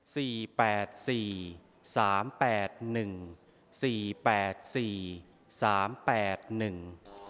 แปดสี่สามแปดหนึ่งสี่แปดสี่สามแปดหนึ่ง